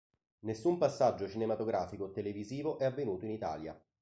Nessun passaggio cinematografico o televisivo è avvenuto in Italia.